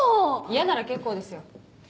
嫌なら結構ですよ。